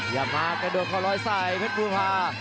อย่ามากระโดดเข้ารอยใส่เพชรบูพา